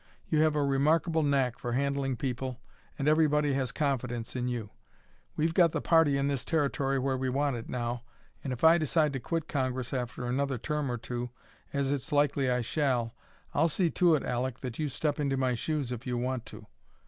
You have a remarkable knack for handling people, and everybody has confidence in you. We've got the party in this Territory where we want it now, and if I decide to quit Congress after another term or two, as it's likely I shall, I'll see to it, Aleck, that you step into my shoes if you want to."